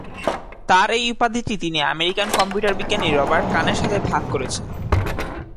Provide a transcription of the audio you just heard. তার এই উপাধিটি তিনি আমেরিকান কম্পিউটার বিজ্ঞানী রবার্ট কানের সাথে ভাগ করেছেন।